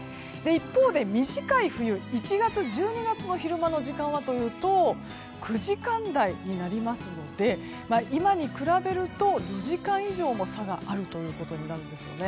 一方で短い冬、１月、１２月の昼間の時間はというと９時間台になりますので今に比べると４時間以上も差があるということになるんですね。